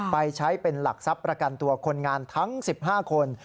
ไปใช้เป็นหลักทรัพย์ประกันตัวคนงานทั้ง๑๕คน